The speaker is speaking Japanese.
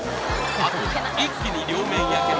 あとは一気に両面焼ける